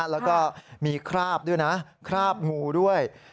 แล้วก็มีคราบด้วยนะคราบงูด้วย